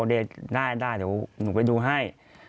บอกได้เดี๋ยวหนูไปดูให้